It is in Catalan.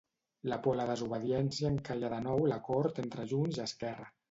La por a la desobediència encalla de nou l'acord entre Junts i Esquerra.